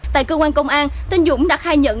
tại cơ quan công an tên dũng đã khai nhận